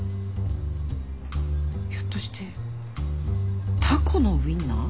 ひょっとしてタコのウィンナー？